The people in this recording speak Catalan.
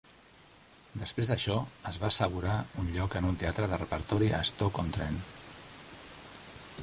Després d'això, es va assegurar un lloc en un teatre de repertori a Stoke-on-Trent.